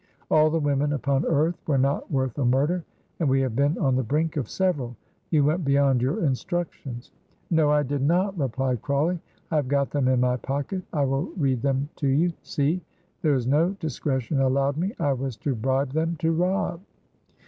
All the women upon earth were not worth a murder, and we have been on the brink of several. You went beyond your instructions." "No, I did not," replied Crawley; "I have got them in my pocket. I will read them to you. See! there is no discretion allowed me. I was to bribe them to rob."